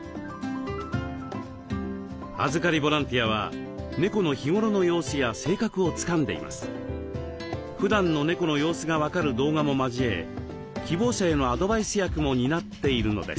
預かりボランティアは猫の日頃の様子や性格をつかんでいます。ふだんの猫の様子が分かる動画も交え希望者へのアドバイス役も担っているのです。